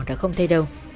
đã không thấy đâu